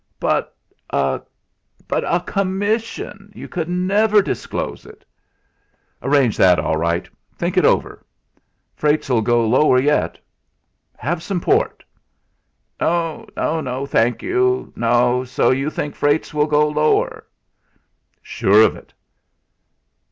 "But a but a commission! You could never disclose it!" "Arrange that all right. Think it over. Freights'll go lower yet. Have some port." "No, no! Thank you. No! So you think freights will go lower?" "Sure of it."